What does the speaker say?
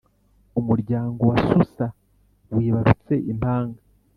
umuryango wa susa wibarutseimpanga.